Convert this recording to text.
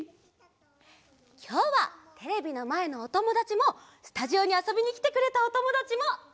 きょうはテレビのまえのおともだちもスタジオにあそびにきてくれたおともだちもいっしょにあそぶよ。